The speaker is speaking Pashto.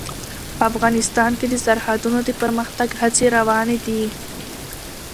افغانستان کې د سرحدونه د پرمختګ هڅې روانې دي.